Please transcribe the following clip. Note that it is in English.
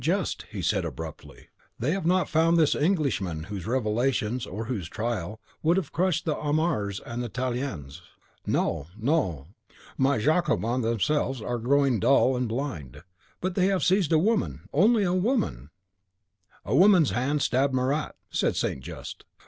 Just," he said abruptly, "they have not found this Englishman whose revelations, or whose trial, would have crushed the Amars and the Talliens. No, no! my Jacobins themselves are growing dull and blind. But they have seized a woman, only a woman!" "A woman's hand stabbed Marat," said St. Just.